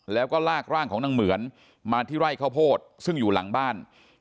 แล้วก็ลากร่างของนางเหมือนมาที่ไร่ข้าวโพดซึ่งอยู่หลังบ้าน